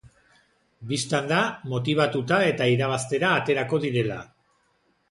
Bistan da, motibatuta eta irabaztera aterako direla.